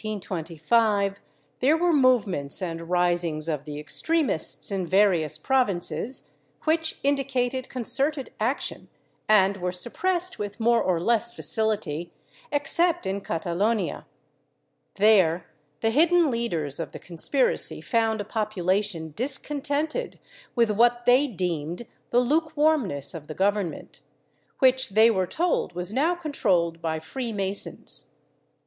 In 1824 and 1825 there were movements and risings of the extremists in various provinces, which indicated concerted action and were suppressed with more or less facility, except in Catalonia. There the hidden leaders of the conspiracy found a population discontented with what they deemed the lukewarmness of the Government, which they were told was now controlled by Free Masons.